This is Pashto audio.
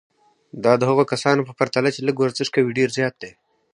دا د هغو کسانو په پرتله چې لږ ورزش کوي ډېر زیات دی.